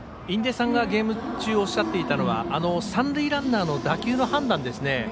印出さんがゲーム中おっしゃっていたのは三塁ランナーの打球の判断ですね。